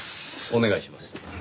お願いします。